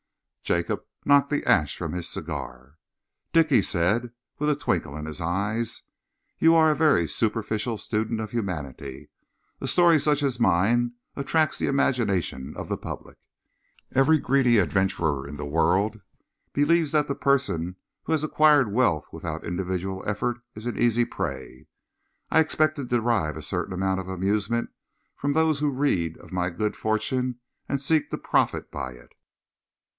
Jacob knocked the ash from his cigar. "Dick," he said, with a twinkle in his eyes, "you are a very superficial student of humanity. A story such as mine attracts the imagination of the public. Every greedy adventurer in the world believes that the person who has acquired wealth without individual effort is an easy prey. I expect to derive a certain amount of amusement from those who read of my good fortune and seek to profit by it.